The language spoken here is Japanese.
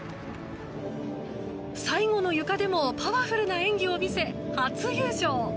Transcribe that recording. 最後のゆかでもパワフルな演技を見せ初優勝。